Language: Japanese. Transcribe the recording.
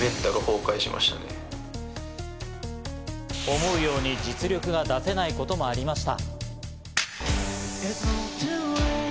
思うように実力が出せないこともありました。